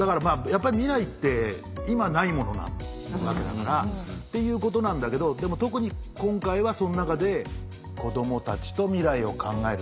やっぱり未来って今ないものなわけだからっていうことなんだけどでも特に今回はその中で子どもたちと未来を考える。